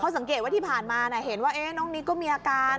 สังเกตว่าที่ผ่านมาเห็นว่าน้องนิกก็มีอาการ